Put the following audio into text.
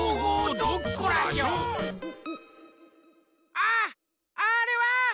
あっあれは！